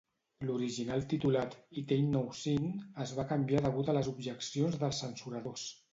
L'original titulat, "It Ain't No Sin", es va canviar degut a las objeccions dels censuradors.